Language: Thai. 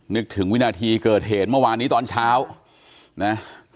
นึกถึงวินาทีเกิดเหตุเมื่อวานนี้ตอนเช้านะ